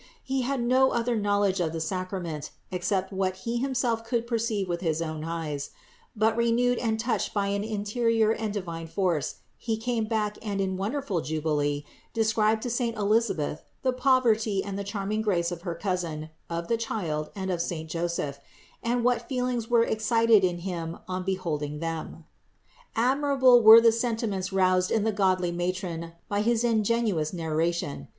He had no other knowledge of the sacrament, except what he himself could perceive with his own eyes; but renewed and touched by an in terior and divine force he came back and in wonderful jubilee described to saint Elisabeth the poverty and the charming grace of her Cousin, of the Child and of saint Joseph, and what feelings were excited in him on behold THE INCARNATION 413 ing them. Admirable were the sentiments roused in the godly matron by his ingenuous narration.